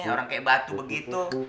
orang kayak batu begitu